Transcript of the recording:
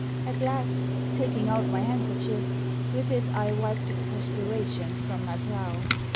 At last, taking out my handkerchief, with it I wiped the perspiration from my brow.